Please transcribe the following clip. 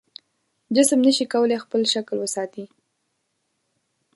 جسم نشي کولی خپل شکل وساتي.